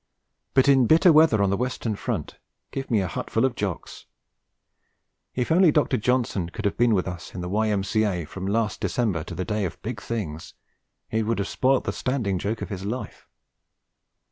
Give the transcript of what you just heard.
But in bitter weather on the Western Front give me a hutful of Jocks! If only Dr. Johnson could have been with us in the Y.M.C.A. from last December to the day of big things! It would have spoilt the standing joke of his life.